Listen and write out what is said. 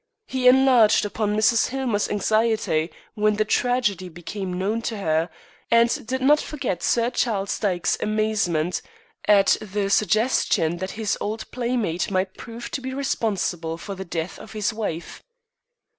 He enlarged upon Mrs. Hillmer's anxiety when the tragedy became known to her, and did not forget Sir Charles Dyke's amazement at the suggestion that his old playmate might prove to be responsible for the death of his wife.